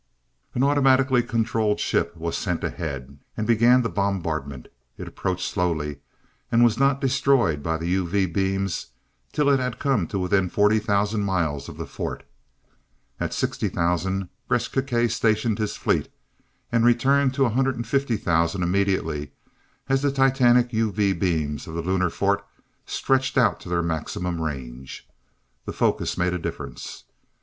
An automatically controlled ship was sent ahead, and began the bombardment. It approached slowly, and was not destroyed by the UV beams till it had come to within 40,000 miles of the fort. At 60,000 Gresth Gkae stationed his fleet and returned to 150,000 immediately as the titanic UV beams of the Lunar Fort stretched out to their maximum range. The focus made a difference.